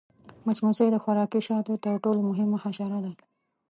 مچمچۍ د خوراکي شاتو تر ټولو مهمه حشره ده